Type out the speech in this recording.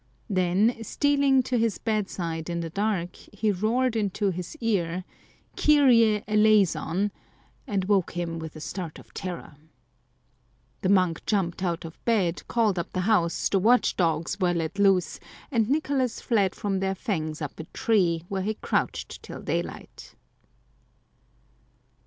Then, stealing to his bedside in the dark, he roared into his ear, " Kyrie eleison 1 " and woke him with a start of terror. The monk jumped out of bed, called up the house; the watch dogs were let loose, and Nicolas 189 Curiosities of Olden Times fled from their fangs up a tree, where he crouched till daylight.